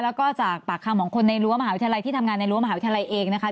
แล้วก็จากปากคำของคนในรั้วมหาวิทยาลัยที่ทำงานในรั้วมหาวิทยาลัยเองนะคะ